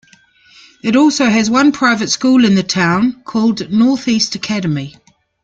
It also has one private school in the town, called Northeast Academy.